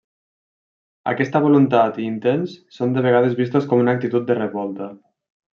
Aquesta voluntat i intents són de vegades vistos com una actitud de revolta.